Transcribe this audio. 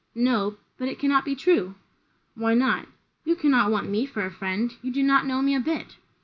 "No but it cannot be true." "Why not?" "You cannot want me for a friend. You do not know me a bit."